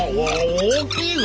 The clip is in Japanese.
大きいぞ！